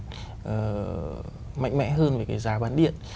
mà mạnh mẽ hơn về cái giá bán điện